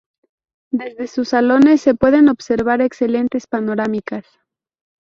Desde sus salones se pueden observar excelentes panorámicas.